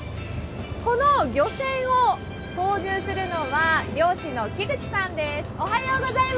この漁船を操縦するのは漁師の木口さんです。